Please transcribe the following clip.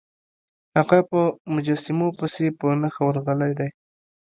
هغه په مجسمو پسې په نښه ورغلی دی.